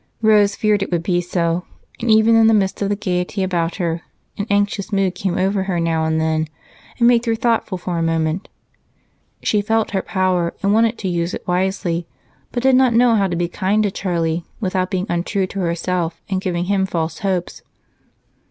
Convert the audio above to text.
Rose feared it would be so, and even in the midst of the gaiety about her an anxious mood came over her now and then and made her thoughtful for a moment. She felt her power and wanted to use it wisely, but did not know how to be kind to Charlie without being untrue to herself and giving him false hopes.